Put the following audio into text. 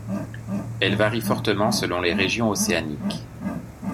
Elle varie fortement selon les régions océaniques.